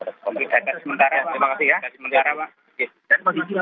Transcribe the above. terima kasih sementara pak